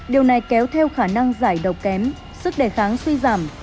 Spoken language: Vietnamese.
điều này kéo theo khả năng giải độc kém sức đề kháng suy giảm